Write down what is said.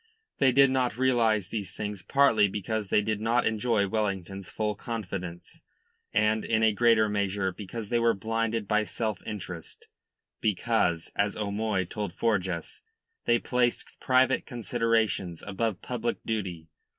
They did not realise these things partly because they did not enjoy Wellington's full confidence, and in a greater measure because they were blinded by self interest, because, as O'Moy told Forjas, they placed private considerations above public duty.